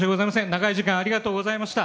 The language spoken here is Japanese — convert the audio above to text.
長い時間ありがとうございました。